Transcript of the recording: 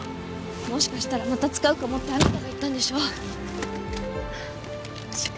もしかしたらまた使うかもってあなたが言ったんでしょ貸して